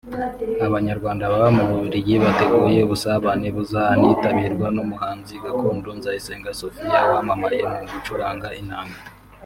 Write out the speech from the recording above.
Abanyarwanda baba mu Bubiligi bateguye ubusabane buzanitabirwa n’umuhanzi gakondo Nzayisenga Sophie wamamaye mu gucuranga inanga